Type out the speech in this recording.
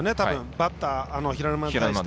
バッターの平沼に対して。